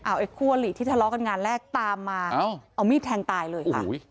ไอ้คั่วหลีที่ทะเลาะกันงานแรกตามมาเอามีดแทงตายเลยค่ะ